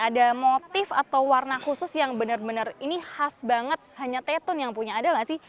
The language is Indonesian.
ada motif atau warna khusus yang bener bener khas banget hanya tetun yang punya release onaya siapa sih